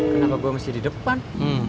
kenapa gue mesti di depan